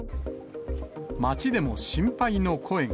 街でも心配の声が。